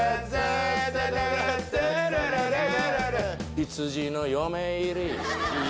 羊の嫁入り